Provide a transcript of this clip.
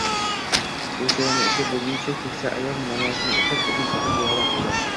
U choyini ichib bo`lguncha keksa ayol namozini o`qib, uzun-uzun duolar qildi